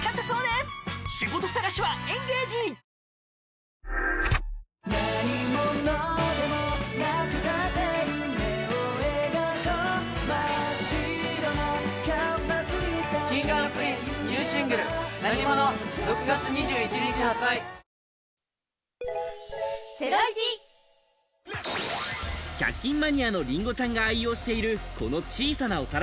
それこそ亜美さんの好きな特１００均マニアのりんごちゃんが愛用している、この小さなお皿。